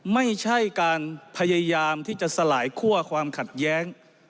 ไม่ใช่การพยายามที่จะสลายคั่วความขัดแย้ง